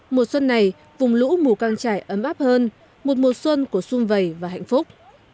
mùa xuân này vùng lũ mùa căng trải ấm áp hơn một mùa xuân của xung vầy và hạnh phúc